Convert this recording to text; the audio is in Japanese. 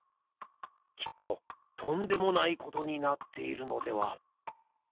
きっととんでもないことになっているのでは。